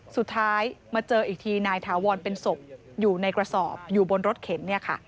สุดท้ายมาเจออีกทีนายถาวรเป็นศพอยู่ในกระสอบอยู่บนรถเข็นเนี่ยค่ะ